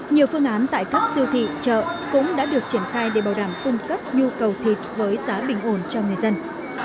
nhiều phương án tại các siêu thị chợ cũng đã được triển khai để bảo đảm cung cấp nhu cầu thịt với giá bình ổn cho người dân